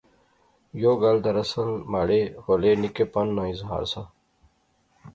یو گل دراصل مہاڑے ہولے نکے پن نا اظہار سا